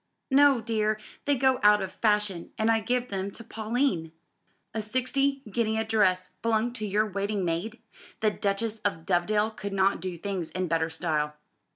"No, dear; they go out of fashion; and I give them to Pauline." "A sixty guinea dress flung to your waiting maid! The Duchess of Dovedale could not do things in better style."